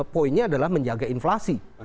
poinnya adalah menjaga inflasi